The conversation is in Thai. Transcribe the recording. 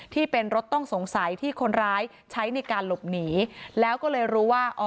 ที่เป็นรถต้องสงสัยที่คนร้ายใช้ในการหลบหนีแล้วก็เลยรู้ว่าอ๋อ